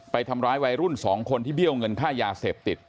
ไปทำร้ายวัยรุ่น๒คนที่เบี้ยวเงินค่ายาเสพติด